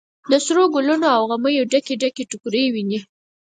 د سروګلو او غمیو ډکې، ډکې ټوکرۍ ویني